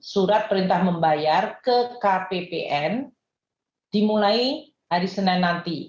surat perintah membayar ke kppn dimulai hari senin nanti